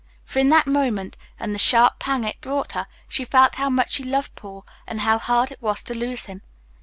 For in that moment, and the sharp pang it brought her, she felt how much she loved Paul and how hard it was to lose him.